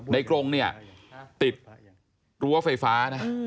กรงเนี่ยติดรั้วไฟฟ้านะ